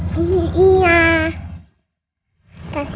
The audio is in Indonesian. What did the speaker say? kasih ya tante